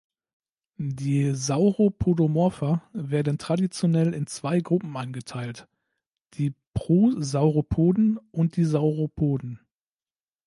Die Sauropodomorpha werden traditionell in zwei Gruppen eingeteilt: die Prosauropoden und die Sauropoden.